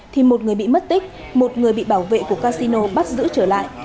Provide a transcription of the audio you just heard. thì một người bị mất tích một người bị bảo vệ của casino bắt giữ trở lại